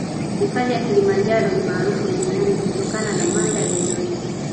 Hifadhi ya kilimanjaro ni maarufu duniani kutokana na mandhari nzuri